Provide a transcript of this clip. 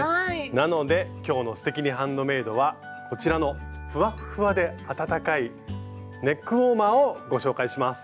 なので今日の「すてきにハンドメイド」はこちらのふわっふわで暖かいネックウォーマーをご紹介します。